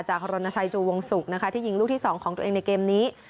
รณชัยจูวงศุกร์นะคะที่ยิงลูกที่๒ของตัวเองในเกมนี้